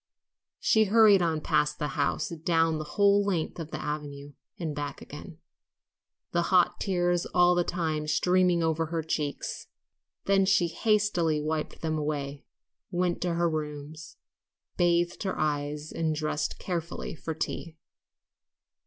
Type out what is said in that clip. She hurried on past the house, down the whole length of the avenue and back again, the hot tears all the time streaming over her cheeks. Then she hastily wiped them away, went to her rooms, bathed her eyes, and dressed carefully for tea.